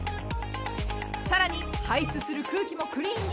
更に排出する空気もクリーンに。